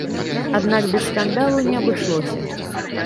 Аднак без скандалу не абышлося.